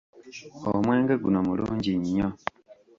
Omwenge guno mulungi nnyo.